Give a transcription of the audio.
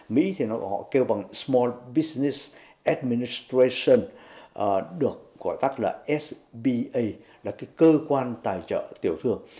mỹ thì họ kêu bằng small business administration được gọi tắt là sba là cơ quan tài trợ tiểu thường